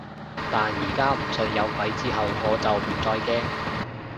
但而家唔信有鬼之後，我就唔再驚